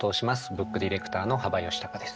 ブックディレクターの幅允孝です。